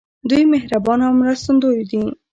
دوی مهربان او مرستندوی دي.